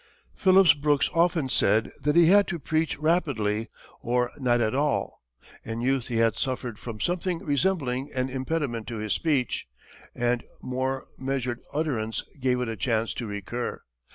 Phillips Brooks often said that he had to preach rapidly, or not at all. In youth he had suffered from something resembling an impediment in his speech, and more measured utterance gave it a chance to recur.